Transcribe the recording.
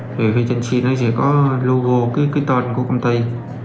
thì trên xe nó sẽ có logo cái tên của công ty